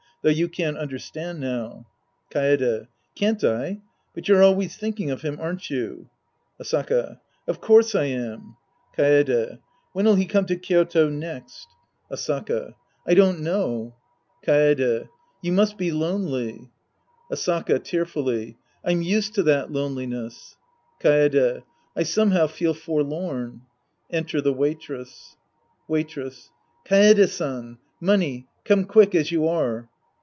Though you can't understand now. Kaede. Can't I ? But you're always tliinking of him, aren't you ? Asaka. Of course I am. Kaede. When'll he come to Kyoto next ? 174 The Priest and His Disciples Act IV Asaka. I don't know. Kaede. You must be lonely. Asaka (tearfully). I'm used to that loneliness. Kaede. I somehow feel forlorn. {Enter the Waitress^ Waitress. Kaede San. Money ; come quick, as you are.